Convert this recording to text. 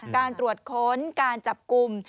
การตรวจค้นการจับกลุ่ม